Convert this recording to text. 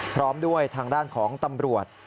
พร้อมด้วยทางด้านของตำรวจ